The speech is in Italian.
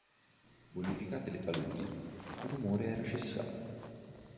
Bonificate le paludi, il rumore era cessato.